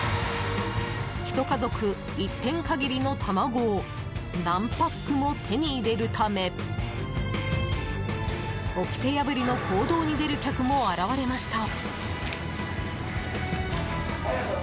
一家族１点限りの卵を何パックも手に入れるため掟破りの行動に出る客も現れました。